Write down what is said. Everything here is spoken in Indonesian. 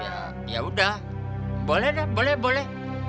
ya udah boleh deh boleh boleh